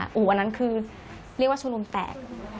อันนั้นคือเรียกว่าแช้นรองแกะ